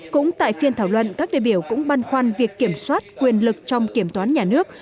cũng tại phiên thảo luận các đề biểu cũng băn khoăn việc kiểm soát quyền lực trong kiểm toán nhà nước